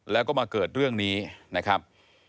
แล้วก็มาเกิดเรื่องนี้นะครับ